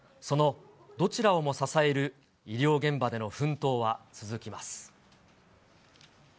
そのどちらをも支える医療現場での奮闘は続きます。